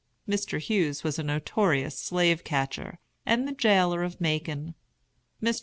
Mr. Hughes was a notorious slave catcher, and the jailer of Macon. Mr.